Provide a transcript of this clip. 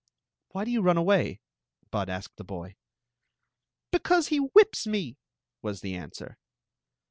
"Why do you run away?" Bud asked the boy. " Because he whips me," was the answer.